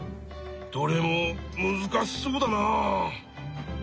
どれもむずかしそうだな。